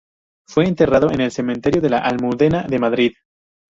Fue enterrado en el Cementerio de la Almudena de Madrid.